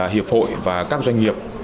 hiệp hội và các doanh nghiệp